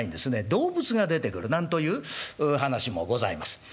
動物が出てくるなんという噺もございます。